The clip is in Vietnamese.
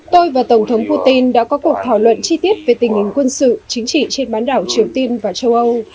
tôi và tổng thống putin đã có cuộc thảo luận chi tiết về tình hình quân sự chính trị trên bán đảo triều tiên và châu âu